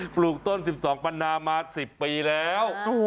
ปลูกต้น๑๒ปันนามา๑๐ปีแล้ว